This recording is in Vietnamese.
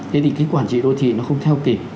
thế thì cái quản trị đô thị nó không theo kịp